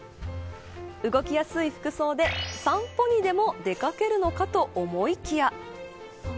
動きやすい服装で散歩にでも出掛けるのかと思いきや。